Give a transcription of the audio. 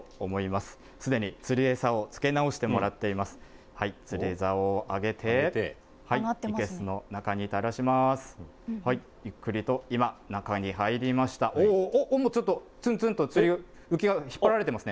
すでに釣り餌をつけ直してもらっています。